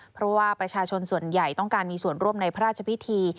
เพราะว่าประชาชนส่วนใหญ่ต้องการมีส่วนร่วมในพระราชพิธี